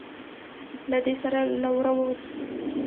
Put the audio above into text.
له دې سره له وره ووت.